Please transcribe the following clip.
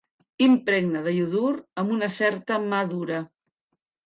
Impregna de iodur amb una certa mà dura.